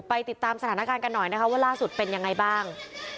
ติดตามสถานการณ์กันหน่อยนะคะว่าล่าสุดเป็นยังไงบ้าง